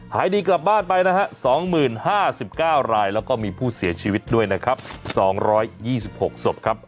หายดีกลับบ้านไปนะฮะ๒๐๕๙รายแล้วก็มีผู้เสียชีวิตด้วยนะครับ๒๒๖ศพครับ